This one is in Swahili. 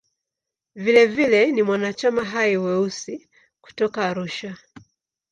Vilevile ni mwanachama hai wa "Weusi" kutoka Arusha.